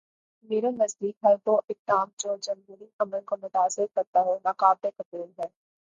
میرے نزدیک ہر وہ اقدام جو جمہوری عمل کو متاثر کرتا ہو، ناقابل قبول ہے۔